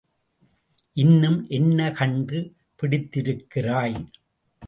இன்னும் என்ன கண்டு பிடித்திருக்கிறாய்?